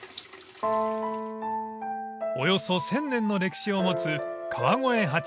［およそ１，０００年の歴史を持つ］